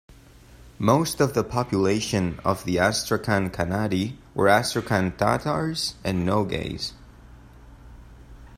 Most of the population of the Astrakhan khanate were Astrakhan Tatars and Nogays.